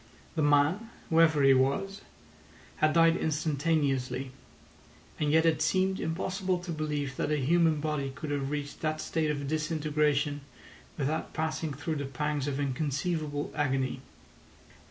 The man, whoever he was, had died instantaneously; and yet it seemed impossible to believe that a human body could have reached that state of disintegration without passing through the pangs of inconceivable agony.